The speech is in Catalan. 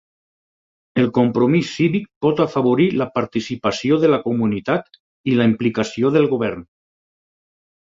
El compromís cívic pot afavorir la participació de la comunitat i la implicació del govern.